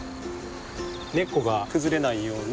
根っこが崩れないように。